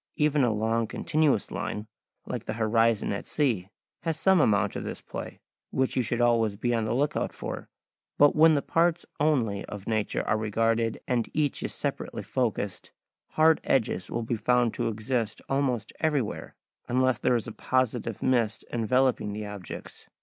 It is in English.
Even a long continuous line, like the horizon at sea, has some amount of this play, which you should always be on the look out for. But when the parts only of nature are regarded and each is separately focussed, hard edges will be found to exist almost everywhere, unless there is a positive mist enveloping the objects.